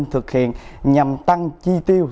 thực hiện nhằm tăng chi tiêu